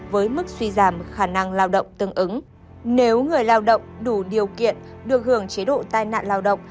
với mức suy giảm khả năng lao động tương ứng nếu người lao động đủ điều kiện được hưởng chế độ tai nạn lao động